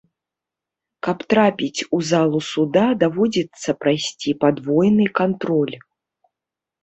Каб трапіць у залу суда, даводзіцца прайсці падвойны кантроль.